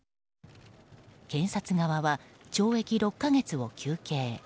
検察側は懲役６か月を求刑。